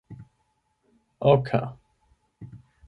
oka